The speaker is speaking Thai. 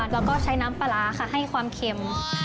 แล้วก็ใช้น้ำปลาร้าค่ะให้ความเค็ม